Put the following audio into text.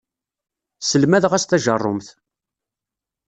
Sselmadeɣ-as tajerrumt.